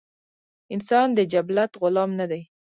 انسان د جبلت غلام نۀ دے